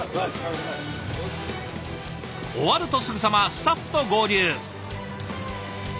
終わるとすぐさまスタッフと合流。